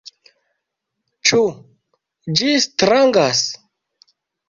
Ĉu ĝi strangas?